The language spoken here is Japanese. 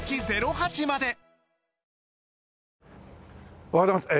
おはようございます。